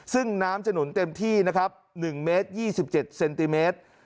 ซึ่งน้ำจะหนุนเต็มที่นะครับ๑เมตร๒๗เซนติเมตร